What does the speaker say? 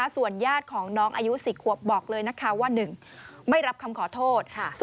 ส่วนญาติของน้องอายุ๔ขวบบอกเลยนะคะว่า๑ไม่รับคำขอโทษ